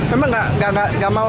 emang nggak suka kalau standar gitu